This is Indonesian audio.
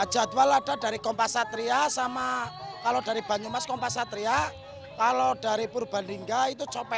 jadwal ada dari kompasatria sama kalau dari banyumas kompasatria kalau dari purbalingga itu cope